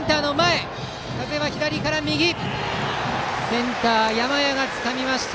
センター、山家がつかみました。